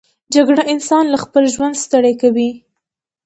جګړه انسان له خپل ژوند ستړی کوي